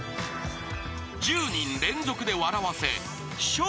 ［１０人連続で笑わせ笑